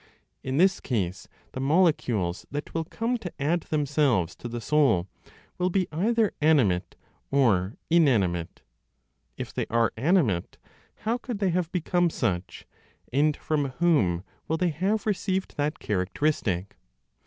In this case, the molecules that will come to add themselves to the soul will be either animate or inanimate; if they are animate, how could they have become such, and from whom will they have received that characteristic?